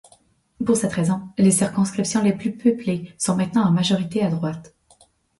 Pour cette raison, les circonscriptions les plus peuplées sont maintenant en majorité à droite.